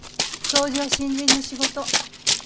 掃除は新人の仕事。